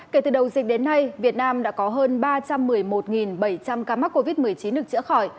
kể từ đầu dịch đến nay việt nam đã có hơn ba trăm một mươi một bảy trăm linh ca mắc covid một mươi chín được chữa khỏi